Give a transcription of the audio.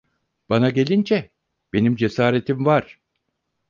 Bana gelince, benim cesaretim var.